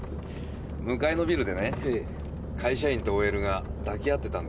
向かいのビルでね会社員とＯＬが抱き合ってたんですよ。